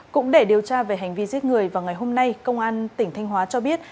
cũng để điều tra về hành vi giết người vào ngày hôm nay công an tỉnh thanh hóa cho biết